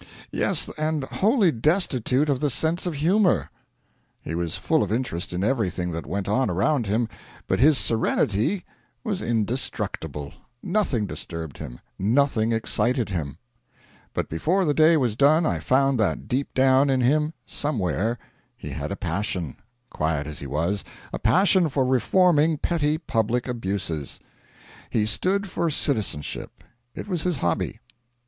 Yes, and wholly destitute of the sense of humour. He was full of interest in everything that went on around him, but his serenity was indestructible; nothing disturbed him, nothing excited him. But before the day was done I found that deep down in him somewhere he had a passion, quiet as he was a passion for reforming petty public abuses. He stood for citizenship it was his hobby.